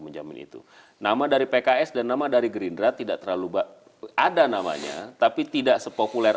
menjamin itu nama dari pks dan nama dari gerindra tidak terlalu ada namanya tapi tidak sepopuler